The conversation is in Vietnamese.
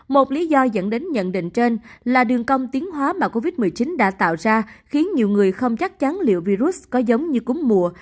một lý do dẫn đến nhận định trên là đường công tiến hóa mà covid một mươi chín đã tạo ra khiến nhiều người không chắc chắn liệu virus có giống như cúm mùa